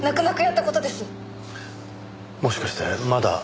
もしかしてまだ。